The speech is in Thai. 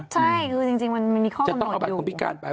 ใช่คือจริงมันมีข้อจะต้องเอาบัตรคนพิการไป